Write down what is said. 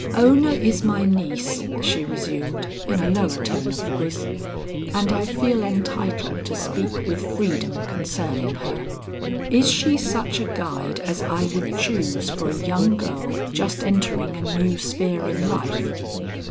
"Ona is my niece," she resumed in a lower tone of voice, "and I feel entitled to speak with freedom concerning her. Is she such a guide as I would choose for a young girl just entering a new sphere in life?